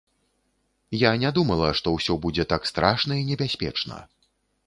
Я не думала, што ўсе будзе так страшна і небяспечна.